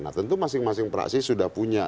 nah tentu masing masing praksi sudah punya